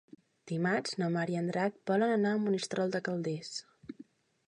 Dimarts na Mar i en Drac volen anar a Monistrol de Calders.